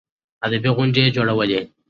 ادبي غونډې يې جوړولې.